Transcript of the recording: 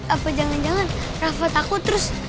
apa jangan jangan rasa takut terus